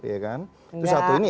itu satu ini